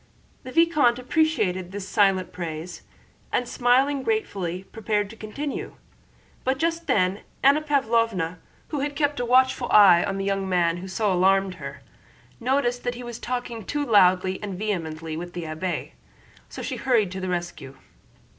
The vicomte appreciated this silent praise and smiling gratefully prepared to continue, but just then Anna Pávlovna, who had kept a watchful eye on the young man who so alarmed her, noticed that he was talking too loudly and vehemently with the abbé, so she hurried to the rescue.